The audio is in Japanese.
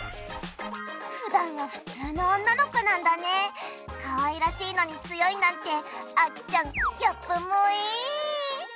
ふだんは普通の女の子なんだねかわいらしいのに強いなんてあきちゃんギャップもえ！